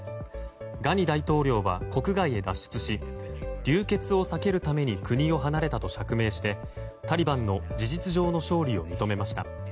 ガニ大統領は国外へ脱出し流血を避けるために国を離れたと釈明してタリバンの事実上の勝利を認めました。